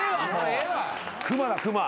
熊だ熊。